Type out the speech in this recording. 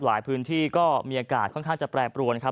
หลายพื้นที่ก็มีอากาศค่อนข้างจะแปรปรวนครับ